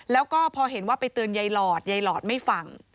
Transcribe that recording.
แล้วก็พอเห็นว่าไปเตือนยายหลอดยายหลอดไม่ฟัง